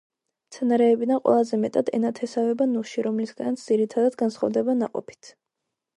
მცენარეებიდან ყველაზე მეტად ენათესავება ნუში, რომლისგანაც ძირითადად განსხვავდება ნაყოფით.